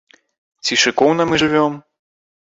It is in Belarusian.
Ці шыкоўна мы жывём?